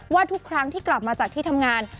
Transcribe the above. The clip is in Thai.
ทุกครั้งที่กลับมาจากที่ทำงาน